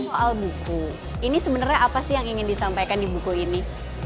soal buku ini sebenarnya apa sih yang ingin disampaikan di buku ini